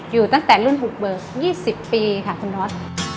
อยู่ตั้งแต่รุ่น๖เบอร์๒๐ปีค่ะคุณฮอล์